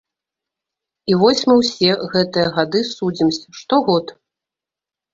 І вось мы ўсе гэтыя гады судзімся, штогод.